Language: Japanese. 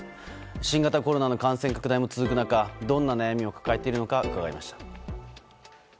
新型コロナの感染拡大も続く中どんな悩みを抱えているのか伺いました。